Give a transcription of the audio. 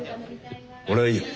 俺はいいよ。